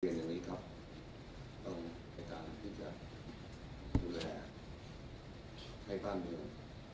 อย่างนี้ครับต้องในการที่จะดูแลให้บ้านเมือง